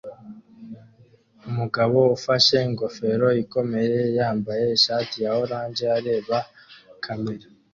Umugabo ufashe ingofero ikomeye yambaye ishati ya orange areba kamera